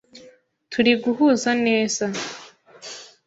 Turi guhuza neza.